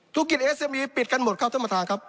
ธุรกิจเอสมีปิดกันหมดครับท่านประธานครับ